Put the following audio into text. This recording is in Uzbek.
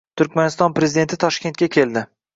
Turkmaniston Prezidenti Toshkentga keldi